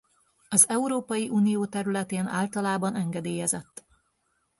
Az Európai Unió területén általában engedélyezett.